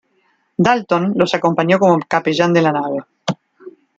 Dalton los acompañó como capellán de la nave.